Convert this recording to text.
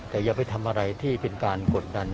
แต่อย่าไปทำอะไรที่เป็นการกดดัน